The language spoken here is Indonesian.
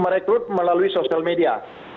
mereklut melalui sosial media